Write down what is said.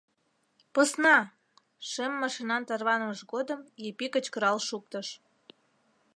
Посна! — шем машинан тарванымыж годым Епи кычкырал шуктыш.